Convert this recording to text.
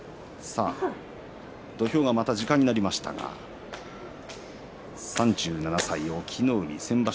土俵がまた時間になりましたが３７歳、隠岐の海、先場所